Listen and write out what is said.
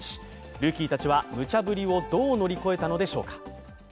ルーキーたちはムチャぶりをどう乗り越えたのでしょうか。